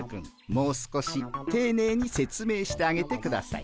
もう少していねいに説明してあげてください。